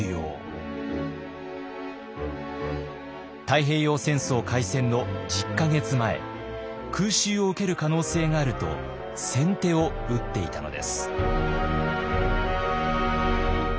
太平洋戦争開戦の１０か月前空襲を受ける可能性があると先手を打っていたのです。